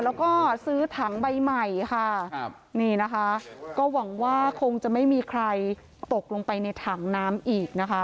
แล้วก็ซื้อถังใบใหม่ค่ะครับนี่นะคะก็หวังว่าคงจะไม่มีใครตกลงไปในถังน้ำอีกนะคะ